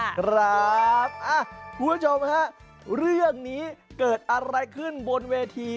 คุณผู้ชมฮะเรื่องนี้เกิดอะไรขึ้นบนเวที